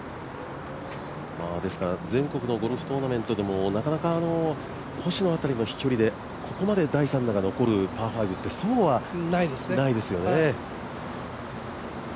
全国のゴルフトーナメントでもなかなか星野の飛距離でここまで第３打が残るパー５ってそうはないですよね。